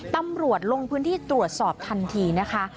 ตำรวจลงพื้นที่ตรวจสอบทันทีนะคะ